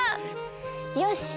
よし！